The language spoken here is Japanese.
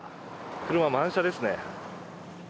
車満車ですね。